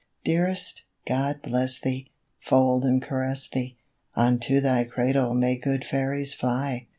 Dearest, God bless thee, Fold and caress thee, Unto thy cradle may good fairies fly!